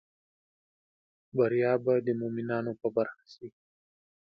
بریا به د مومینانو په برخه شي